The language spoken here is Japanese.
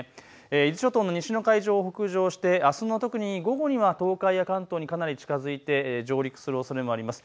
伊豆諸島の西の海上を北上してあすの特に午後、東海や関東にかなり近づいて上陸するおそれもあります。